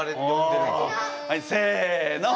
はいせの！